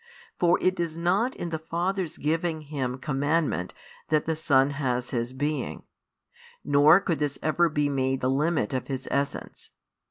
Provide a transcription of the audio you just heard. For it is not in the Father's giving Him commandment that the Son has His Being, nor could this ever be made the limit of His Essence.